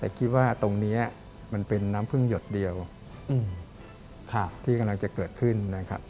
แต่คิดว่าตรงนี้มันเป็นน้ำพึ่งหยดเดียวที่กำลังจะเกิดขึ้นนะครับ